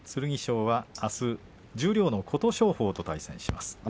剣翔はあすは十両の琴勝峰と対戦します。